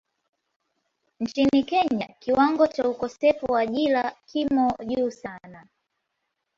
Nchini Kenya kiwango cha ukosefu wa ajira kimo juu sana.